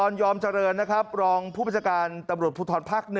ยอมเจริญนะครับรองผู้บัญชาการตำรวจภูทรภาค๑